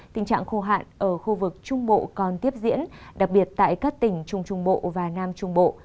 tình trạng khô hạn ở khu vực trung bộ còn tiếp diễn đặc biệt tại các tỉnh trung trung bộ và nam trung bộ